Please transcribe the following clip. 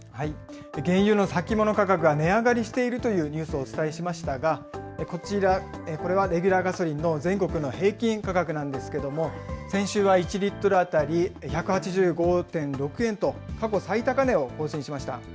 原油の先物価格が値上がりしているというニュースをお伝えしましたが、こちら、これはレギュラーガソリンの全国の平均価格なんですけども、先週は１リットル当たり１８５．６円と、過去最高値を更新しました。